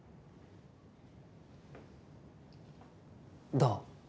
どう？